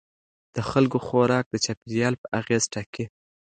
د خلکو خوراک د چاپیریال اغېز ټاکي.